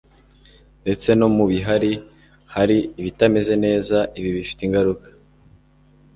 ndetse no mu bihari hari ibitameze neza ibi bifite ingaruka